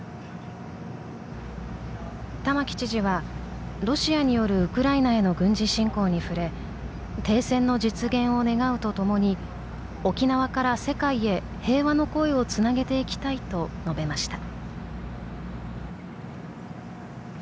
玉城知事はロシアによるウクライナへの軍事侵攻に触れ停戦の実現を願うとともに「沖縄から世界へ平和の声をつなげていきたい」と述べました。